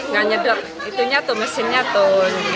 mesinnya tuh mesinnya tuh